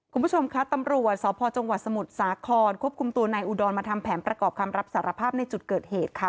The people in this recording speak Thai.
คุณผู้ชมค่ะตำรวจสพจังหวัดสมุทรสาครควบคุมตัวนายอุดรมาทำแผนประกอบคำรับสารภาพในจุดเกิดเหตุค่ะ